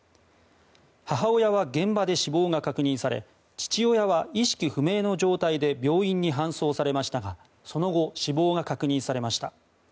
母親は現場で死亡が確認され父親は意識不明の状態で病院に搬送されましたがその後、死亡が確認されました。